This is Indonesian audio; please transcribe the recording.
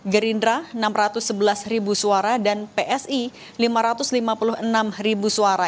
gerindra enam ratus sebelas ribu suara dan psi lima ratus lima puluh enam ribu suara